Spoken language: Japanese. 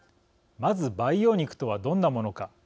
まず、培養肉とはどんなものか。